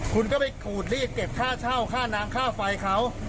คุณก็ไปกูดรีดเก็บค่าเช่าค่าน้ำค่าไฟเขา